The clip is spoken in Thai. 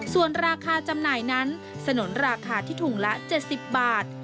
ส่วนราคาจำหน่ายนั้นสนุนราคาที่ถุงละ๗๐บาท